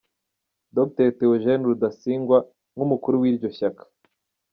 Dr. Theogene Rudasingwa, nk’umukuru w’iryo shyaka